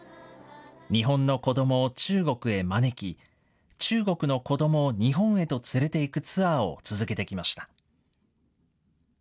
日本の子どもを中国へ招き、中国の子どもを日本へと連れていくツアーを続けてきました。